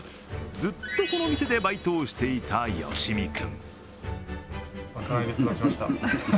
ずっとこの店でバイトをしていた吉見君。